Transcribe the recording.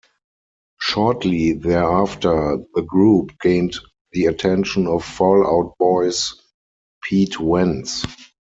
Shortly thereafter, the group gained the attention of Fall Out Boy's Pete Wentz.